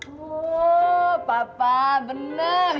oh papa benar